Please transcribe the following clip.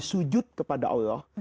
sujud kepada allah